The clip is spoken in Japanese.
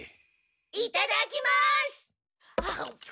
いただきます！